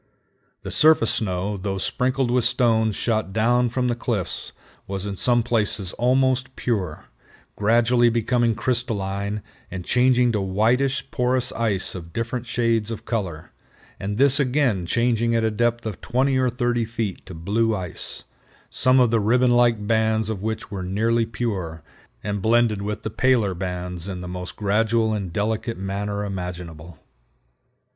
The surface snow, though sprinkled with stones shot down from the cliffs, was in some places almost pure, gradually becoming crystalline and changing to whitish porous ice of different shades of color, and this again changing at a depth of 20 or 30 feet to blue ice, some of the ribbon like bands of which were nearly pure, and blended with the paler bands in the most gradual and delicate manner imaginable.